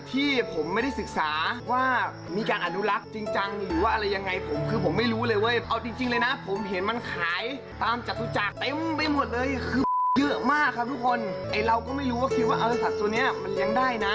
ที่ผมไม่ได้ศึกษาไว้มีการอารมณุลักษณ์จริง